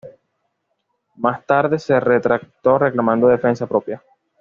Más tarde se retractó reclamando defensa propia.